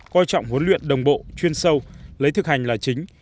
coi trọng huấn luyện đồng bộ chuyên sâu lấy thực hành là chính